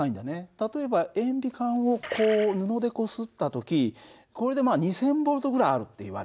例えば塩ビ管をこう布でこすった時これで２，０００Ｖぐらいあるっていわれてるんだよ。